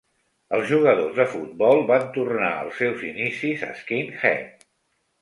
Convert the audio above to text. Els jugadors de futbol van tornar als seus inicis skinhead.